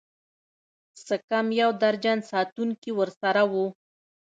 څه کم يو درجن ساتونکي ورسره وو.